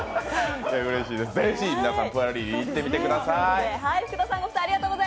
ぜひ皆さん、プアリリイ行ってみてください。